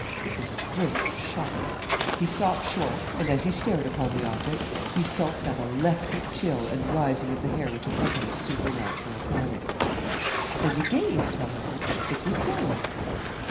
It was a great shock. He stopped short and as he stared upon the object, he felt that electric chill and rising of the hair which accompany supernatural panic. As he gazed, however, it was gone.